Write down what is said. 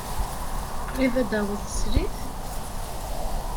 Qrib ad d-taweḍ teslit?